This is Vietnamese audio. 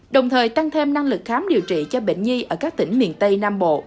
đồng thời tăng thêm năng lực khám điều trị cho bệnh nhi ở các tỉnh miền tây nam bộ